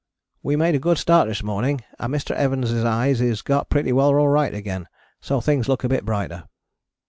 _ We made a good start this morning and Mr. Evans' eyes is got pretty well alright again, so things looks a bit brighter.